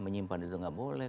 menyimpan itu nggak boleh